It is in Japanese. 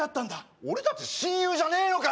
俺たち、親友じゃねえのかよ！